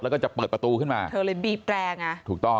แล้วก็จะเปิดประตูขึ้นมาเธอเลยบีบแรร์ไงถูกต้อง